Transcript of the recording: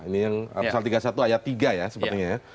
ini yang pasal tiga puluh satu ayat tiga ya sepertinya ya